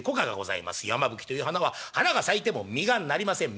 山吹という花は花が咲いても実が成りません。